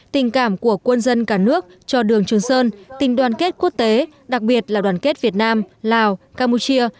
tình cảm của quân dân cả nước cho đường trường sơn tình đoàn kết quốc tế đặc biệt là đoàn kết việt nam lào campuchia